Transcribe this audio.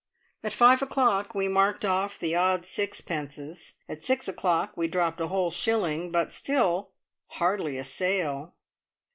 At five o'clock we marked off the odd sixpences; at six o'clock we dropped a whole shilling, but still hardly a sale!